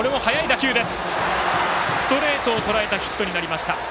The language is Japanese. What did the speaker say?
ストレートをとらえたヒットになりました。